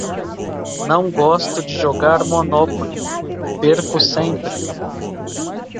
Não gosto de jogar Monopoly, perco sempre!